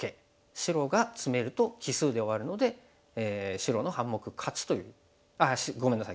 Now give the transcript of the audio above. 白がツメると奇数で終わるので白の半目勝ちあごめんなさい。